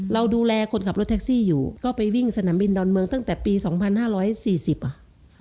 เราดูแลคนขับรถแท็กซี่อยู่ก็ไปวิ่งสนามบินดอนเมืองตั้งแต่ปี๒๕๔๐อ่ะ